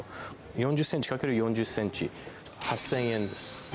４０センチ×４０センチ、８０００円です。